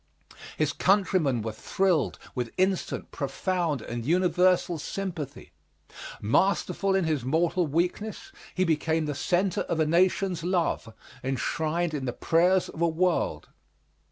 His countrymen were thrilled with instant, profound and universal sympathy. Masterful in his mortal weakness, he became the centre of a nation's love, enshrined in the prayers of a world.